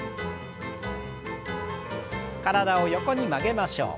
体を横に曲げましょう。